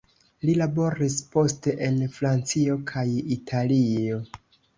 Li laboris poste en Francio kaj Italio.